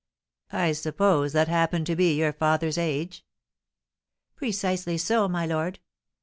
"I suppose that happened to be your father's age?" "Precisely so, my lord!